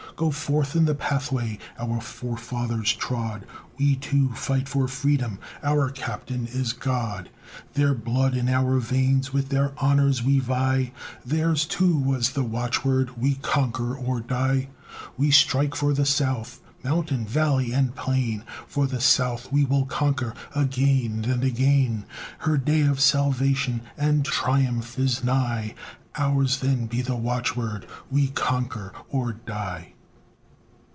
Go forth in the pathway our forefathers trod; We, too, fight for freedom our Captain is God, Their blood in our veins, with their honors we vie, Theirs, too, was the watchword, "We conquer or die." We strike for the South Mountain, Valley, and Plain, For the South we will conquer again and again; Her day of salvation and triumph is nigh, Ours, then, be the watchword, "We conquer or die."